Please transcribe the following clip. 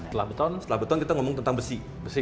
setelah beton kita ngomong tentang besi